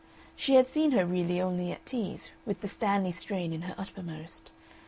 She had seen her really only at teas, with the Stanley strain in her uppermost.